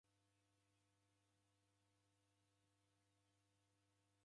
W'aandikie barua kwa kilongozi wa timu.